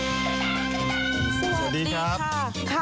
สวัสดีครับ